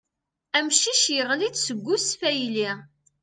Amcic yaɣli-d seg usfayly.